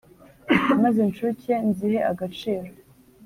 maze incuke nzihe agaciro